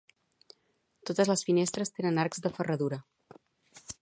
Totes les finestres tenen arcs de ferradura.